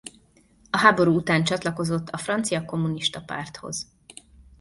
A háború után csatlakozott a Francia Kommunista Párthoz.